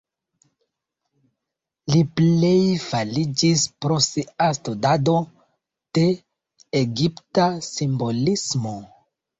Li plej famiĝis pro sia studado de egipta simbolismo.